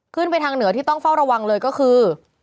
ไปทางเหนือที่ต้องเฝ้าระวังเลยก็คือ